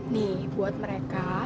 nih buat mereka